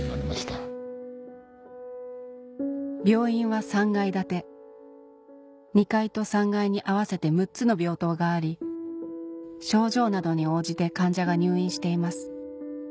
病院は３階建て２階と３階に合わせて６つの病棟があり症状などに応じて患者が入院しています